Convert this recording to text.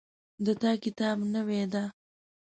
د تا کتاب نوی ده